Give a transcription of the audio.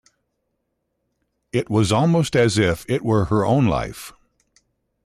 It was almost as if it were her own life.